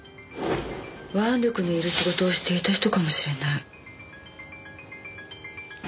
腕力のいる仕事をしていた人かもしれない。